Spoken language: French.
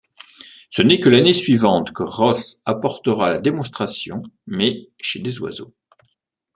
Ce n’est que l’année suivante que Ross apportera la démonstration mais chez des oiseaux.